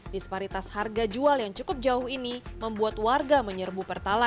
disparitas harga jual yang cukup jauh ini membuat warga menyerbu pertali